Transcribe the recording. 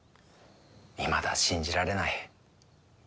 いまだ信じられない。